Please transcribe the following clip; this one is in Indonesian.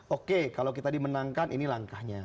oke kalau kita dimenangkan ini langkahnya